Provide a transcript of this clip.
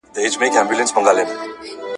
چي د شر تخم تباه نه کړی یارانو ,